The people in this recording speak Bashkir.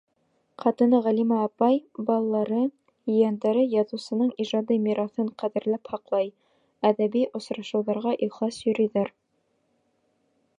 Ҡатыны Ғәлимә апай, балалары, ейәндәре яҙыусының ижади мираҫын ҡәҙерләп һаҡлай, әҙәби осрашыуҙарға ихлас йөрөйҙәр.